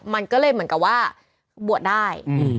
มันก็เลยเหมือนกับว่าบวชได้